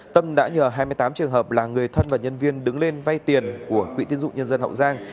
tâm đã nhờ hai mươi tám trường hợp là người thân và nhân viên đứng lên vay tiền của quỹ tiến dụng nhân dân hậu giang